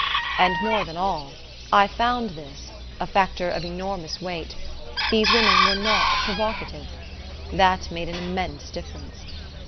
And more than all, I found this a factor of enormous weight these women were not provocative. That made an immense difference.